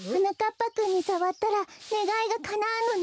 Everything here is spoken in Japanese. ぱくんにさわったらねがいがかなうのね。